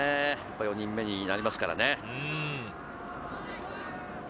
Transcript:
４人目になりますからね。